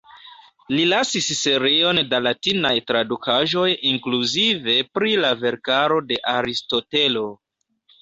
Li lasis serion da latinaj tradukaĵoj, inkluzive pri la verkaro de Aristotelo.